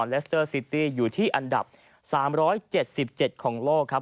เลสเตอร์ซิตี้อยู่ที่อันดับ๓๗๗ของโลกครับ